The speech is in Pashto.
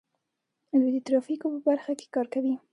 دوی د ترافیکو په برخه کې کار کوي.